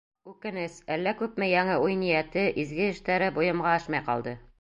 Үкенес, әллә күпме яңы уй-ниәте, изге эштәре бойомға ашмай ҡалды.